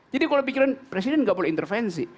jadi kalau pikiran presiden tidak boleh intervensi